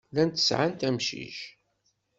Llant sɛant amcic.